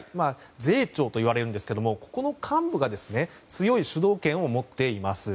税調といわれるんですがここの幹部が強い主導権を持っています。